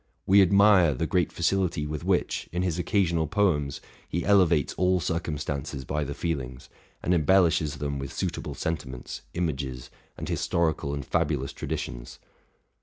We admire the great facility with which, in his occa sional poems, he elevates all circumstances by the feelings, and embellishes them with suitable sentiments, images, and historical and fabulous traditions.